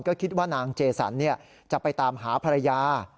ก็คิดว่านางเจสันจะไปตามหาภรรยา